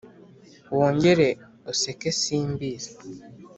wongere useke simbi